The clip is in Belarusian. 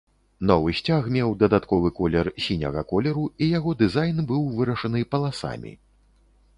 Новы сцяг меў дадатковы колер сіняга колеру і яго дызайн быў вырашаны паласамі.